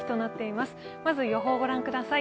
まず予報を御覧ください。